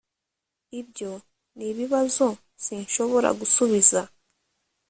ibyo nibibazo sinshobora gusubiza